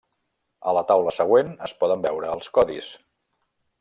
A la taula següent es poden veure els codis.